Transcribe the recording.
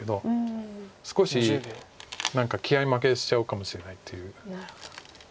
少し何か気合い負けしちゃうかもしれないという。